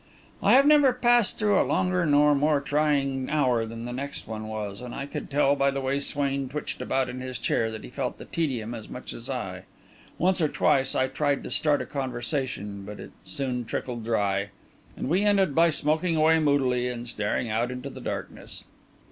I have never passed through a longer or more trying hour than the next one was, and I could tell by the way Swain twitched about in his chair that he felt the tedium as much as I. Once or twice I tried to start a conversation, but it soon trickled dry; and we ended by smoking away moodily and staring out into the darkness.